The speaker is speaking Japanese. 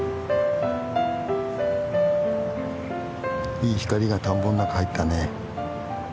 いい光が田んぼの中入ったね。